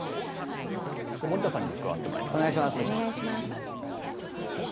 森田さんにも加わってもらいます。